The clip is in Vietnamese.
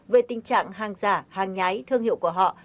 về tình trạng hàng giả hàng nhái thương hiệu của họ